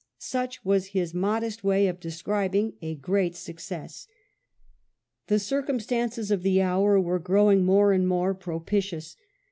Such was his modest way of describing a great success. The circumstances of the hour were growing more and more propitious.